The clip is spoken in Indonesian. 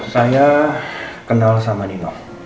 saya kenal sama nino